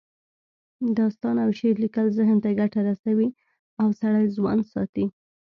داستان او شعر لیکل ذهن ته ګټه رسوي او سړی ځوان ساتي